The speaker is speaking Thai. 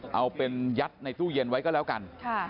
เอาเป็นยัดในตู้เย็นไว้ก็แล้วกัน